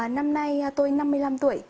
năm nay tôi năm mươi năm tuổi